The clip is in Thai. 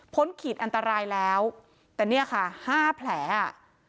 ขีดอันตรายแล้วแต่เนี่ยค่ะห้าแผลอ่ะ